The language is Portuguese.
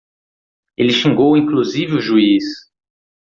Ele xingou inclusive o juiz